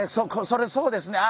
それそうですね。